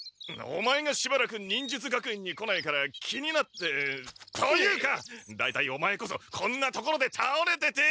オマエがしばらく忍術学園に来ないから気になってというか大体オマエこそこんな所でたおれてて！